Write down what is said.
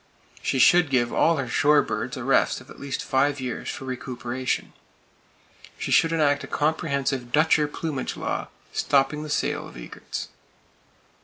She should give all her shore birds a rest of at least five years, for recuperation. She should enact a comprehensive Dutcher plumage law, stopping the sale of aigrettes.